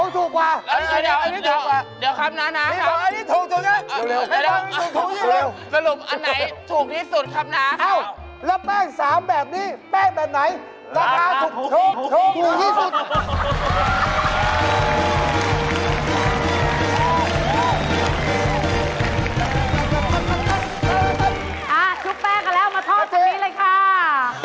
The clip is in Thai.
ชุบแป๊กกันแล้วโทษทั้งนี้เลยค่ะ